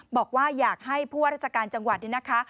บอกว่าอยากให้ผู้ว่าราชการจังหวัดนี่นะคะ